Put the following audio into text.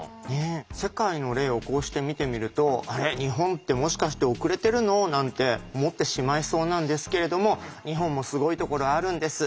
世界の例をこうして見てみると「あれ？日本ってもしかして遅れてるの？」なんて思ってしまいそうなんですけれども日本もすごいところあるんです。